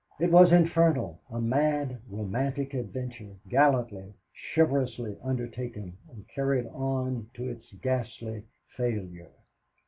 It was infernal; a mad, romantic adventure, gallantly, chivalrously undertaken and carried on to its ghastly failure.